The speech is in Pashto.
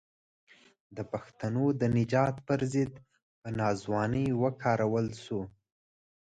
د پښتنو د نجات پر ضد په ناځوانۍ وکارول شو.